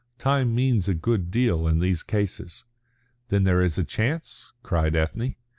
Time means a good deal in these cases." "Then there is a chance?" cried Ethne.